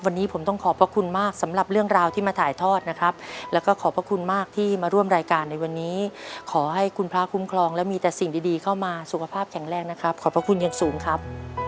วันนี้ผมต้องขอบพระคุณมากสำหรับเรื่องราวที่มาถ่ายทอดนะครับแล้วก็ขอบพระคุณมากที่มาร่วมรายการในวันนี้ขอให้คุณพระคุ้มครองและมีแต่สิ่งดีเข้ามาสุขภาพแข็งแรงนะครับขอบพระคุณอย่างสูงครับ